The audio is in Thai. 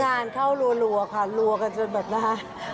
งานเข้ารัวค่ะรัวกันจนแบบนะคะ